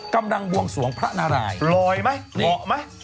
กำลังวงสวงพระนารายลอยมั้ยเหาะมั้ย